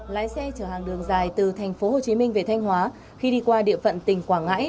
lái xe chở hàng đường dài từ tp hcm về thanh hóa khi đi qua địa phận tỉnh quảng ngãi